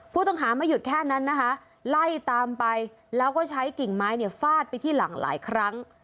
ผู้ต้องหาไม่หยุดแค่นั้นนะคะไล่ตามไปแล้วก็ใช้กิ่งไม้เนี่ยฟาดไปที่หลังหลายครั้ง